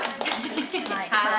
はい。